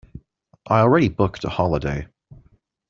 I already booked a holiday.